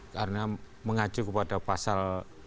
karena mengacu kepada pasal